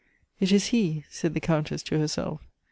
"It is he," said the Countess to herself.